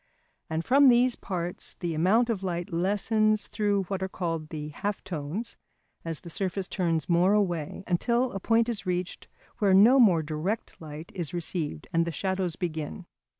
And from these parts the amount of light lessens through what are called the half tones as the surface turns more away, until a point is reached where no more direct light is received, and the shadows begin.